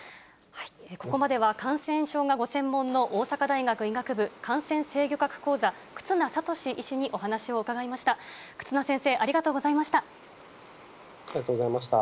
ここまでは感染症がご専門の大阪大学医学部感染制御学講座、忽那賢志医師にお話を伺いました。